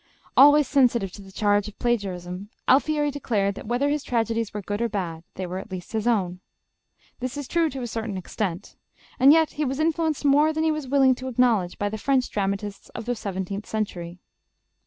Always sensitive to the charge of plagiarism, Alfieri declared that whether his tragedies were good or bad, they were at least his own. This is true to a certain extent. And yet he was influenced more than he was willing to acknowledge by the French dramatists of the seventeenth century.